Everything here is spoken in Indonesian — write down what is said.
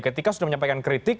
ketika sudah menyampaikan kritik